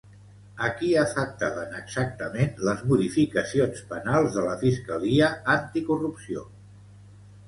A qui afectaven exactament les modificacions penals de la Fiscalia Anticorrupció?